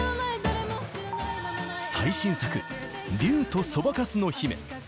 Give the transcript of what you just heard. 最新作、竜とそばかすの姫。